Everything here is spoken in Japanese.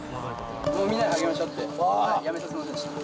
みんなで励まし合って、辞めさせませんでした。